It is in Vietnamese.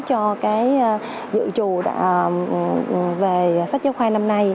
cho dự trù về sách giáo khoa năm nay